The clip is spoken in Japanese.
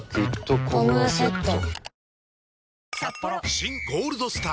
「新ゴールドスター」！